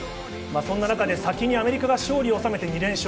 先にアメリカが勝利を収めて２連勝。